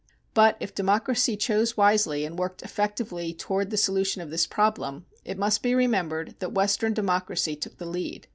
But if democracy chose wisely and worked effectively toward the solution of this problem, it must be remembered that Western democracy took the lead.